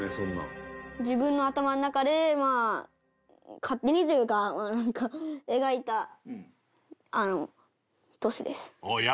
自分の頭の中で勝手にというか描いた都市です。